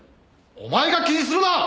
お前が気にするな！